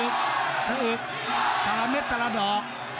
แต่ละเม็ดแต่ละดอก